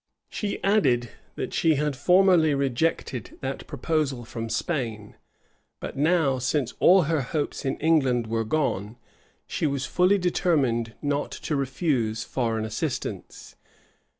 She added, that she had formerly rejected that proposal from Spain; but now, since all her hopes in England were gone, she was fully determined not to refuse foreign assistance.